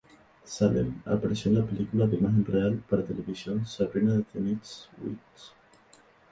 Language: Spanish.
Salem apareció en la película de imagen real para televisión "Sabrina the Teenage Witch".